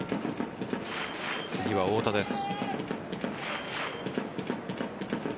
次は太田です。